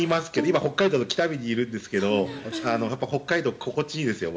今、北海道の北見にいるんですが北海道、心地いいですよ。